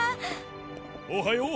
おはよう！